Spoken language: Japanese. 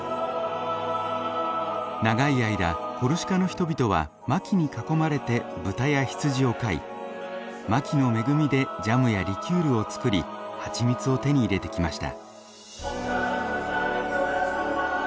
長い間コルシカの人々はマキに囲まれて豚や羊を飼いマキの恵みでジャムやリキュールを作り蜂蜜を手に入れてきました。